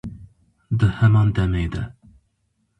di heman demê de